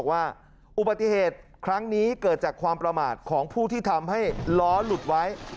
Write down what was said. ว่าอุบัติเหตุครั้งนี้เกิดจากความประมาทของผู้ที่ทำให้ล้อหลุดไว้